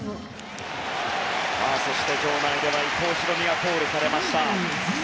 そして場内では伊藤大海がコールされました。